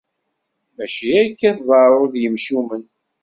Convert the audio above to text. Mačči akka i tḍerru d yimcumen.